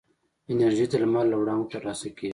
انرژي د لمر له وړانګو ترلاسه کېږي.